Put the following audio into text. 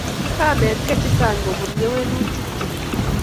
kanetkei chechang kobun kewelutik chuu